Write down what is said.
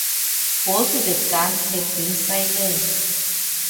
Both the guns had been silenced.